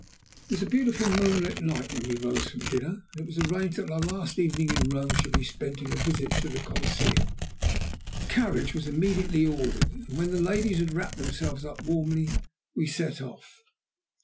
It was a beautiful moonlight night when we rose from dinner, and it was arranged that our last evening in Rome should be spent in a visit to the Colosseum. A carriage was immediately ordered, and when the ladies had wrapped themselves up warmly we set off.